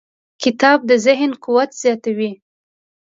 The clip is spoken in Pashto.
کتاب د ذهن قوت زیاتوي.